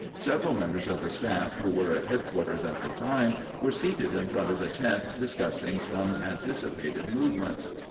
Several members of the staff who were at head quarters at the time were seated in front of the tent discussing some anticipated movements.